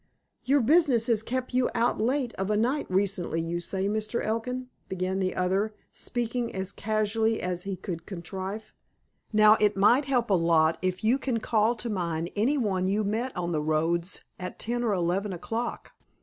"Your business has kept you out late of a night recently, you say, Mr. Elkin," began the other, speaking as casually as he could contrive. "Now, it might help a lot if you can call to mind anyone you met on the roads at ten or eleven o'clock.